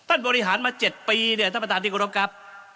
ต้านบริหารมา๗ปีเนี่ยท่านประตานดิกรมครับ